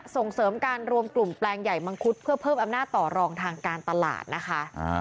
ส่งเสริมการรวมกลุ่มแปลงใหญ่มังคุดเพื่อเพิ่มอำนาจต่อรองทางการตลาดนะคะ